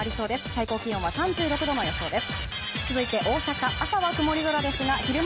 最高気温は３６度の予想です。